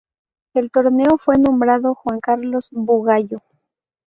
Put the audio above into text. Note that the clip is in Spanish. El torneo fue nombrado Juan Carlos Bugallo.